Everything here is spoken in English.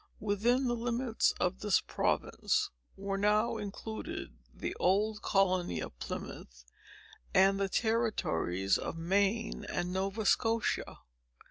Within the limits of this province were now included the old colony of Plymouth, and the territories of Maine and Nova Scotia.